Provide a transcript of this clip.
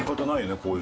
こういう。